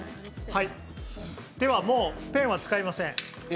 はい、ではもうペンは使いません。